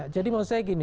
jadi maksud saya gini